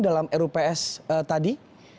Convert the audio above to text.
dalam rups tadi